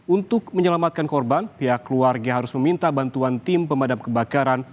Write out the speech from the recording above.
untuk menyelamatkan korban pihak keluarga harus meminta bantuan tim pemadam kebakaran